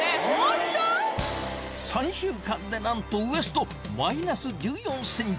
３週間で何とウエストマイナス１４ｃｍ！